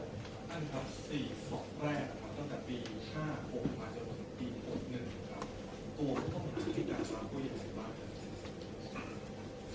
ต้องการสี่ศพแรกตั้งแต่ปี๕๖ปี๖๑ครับตัวมันต้องมีความรู้สึกอย่างสำคัญหรือเปล่า